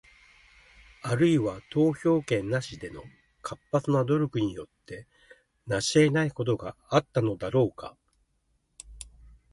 あるいは、投票権なしでの活発な努力によって成し得ないことがあったのだろうか？